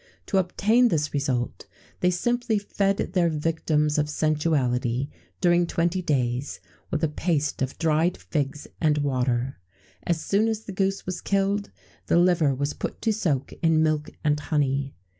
To obtain this result, they simply fed their victims of sensuality, during twenty days, with a paste of dried figs and water.[XVII 68] As soon as the goose was killed, the liver was put to soak in milk and honey.